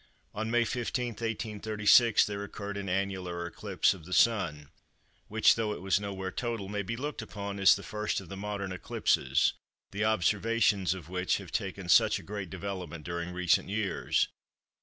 On May 15, 1836, there occurred an annular eclipse of the Sun, which though it was nowhere total, may be looked upon as the first of the modern eclipses the observations of which have taken such a great development during recent years.